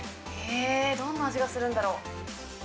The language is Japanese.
へぇー、どんな味がするんだろう。